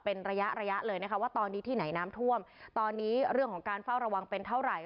เป็นระยะระยะเลยนะคะว่าตอนนี้ที่ไหนน้ำท่วมตอนนี้เรื่องของการเฝ้าระวังเป็นเท่าไหร่